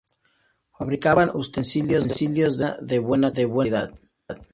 Fabricaban utensilios de cocina de buena calidad.